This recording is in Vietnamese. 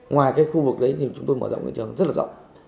ngoài cái khu vực đấy thì chúng tôi mở rộng lãnh trường rất là rộng